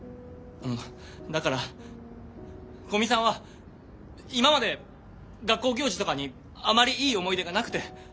あのだから古見さんは今まで学校行事とかにあまりいい思い出がなくて。